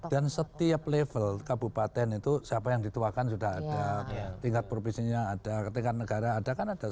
dan setiap level kabupaten itu siapa yang dituakan sudah ada tingkat provisinya ada tingkat negara ada kan ada